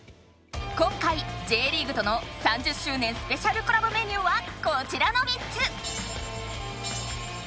今回Ｊリーグとの３０周年スペシャルコラボメニューはこちらの３つ！